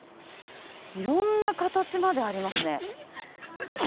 いろんな形までありますね。